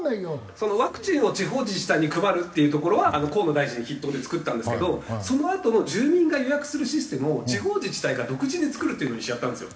そのワクチンを地方自治体に配るっていうところは河野大臣が筆頭で作ったんですけどそのあとの住民が予約するシステムを地方自治体が独自に作るっていうのにしちゃったんですよ。